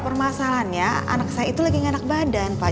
permasalahannya anak saya itu lagi nganak badan pak